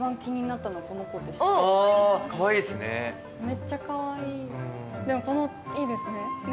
めっちゃかわいい。